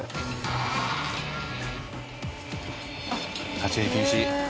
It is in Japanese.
立ち入り禁止。